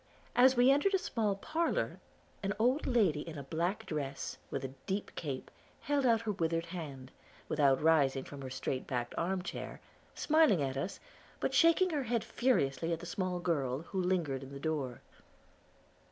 As we entered a small parlor, an old lady in a black dress, with a deep cape, held out her withered hand, without rising from her straight backed arm chair, smiling at us, but shaking her head furiously at the small girl, who lingered in the door.